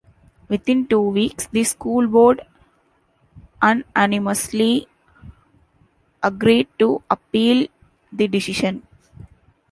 Within two weeks, the school board unanimously agreed to appeal the decision.